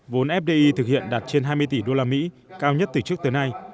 vốn fdi thực hiện đạt trên hai mươi tỷ usd cao nhất từ trước tới nay